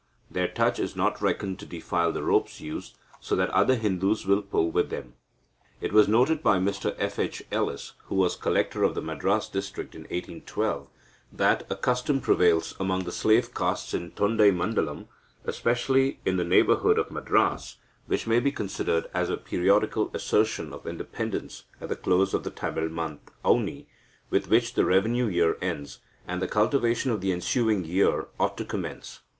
Their touch is not reckoned to defile the ropes used, so that other Hindus will pull with them. It was noted by Mr F. H. Ellis, who was Collector of the Madras district in 1812, that "a custom prevails among the slave castes in Tondeimandalam, especially in the neighbourhood of Madras, which may be considered as a periodical assertion of independence at the close of the Tamil month Auni, with which the revenue year ends, and the cultivation of the ensuing year ought to commence.